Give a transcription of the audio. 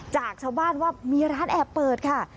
จากชาวบ้านว่ามีร้านแอบเปิดค่ะ